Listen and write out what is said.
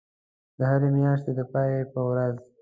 د هری میاشتی د پای په ورځ